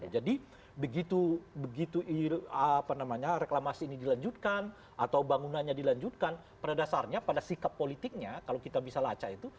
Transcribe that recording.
jadi begitu reklamasi ini dilanjutkan atau bangunannya dilanjutkan pada dasarnya pada sikap politiknya kalau kita bisa lacak itu